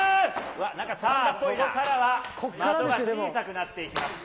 さあ、ここからは的が小さくなっていきます。